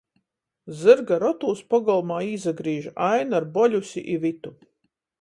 Zyrga rotūs pogolmā īsagrīž Aina ar Boļusi i Vitu.